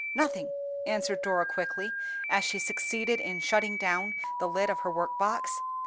"Nothing," answered Dora quickly, as she succeeded in shutting down the lid of her workbox.